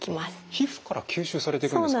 皮膚から吸収されていくんですか。